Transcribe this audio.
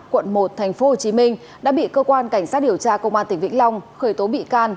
quận một tp hcm đã bị cơ quan cảnh sát điều tra công an tỉnh vĩnh long khởi tố bị can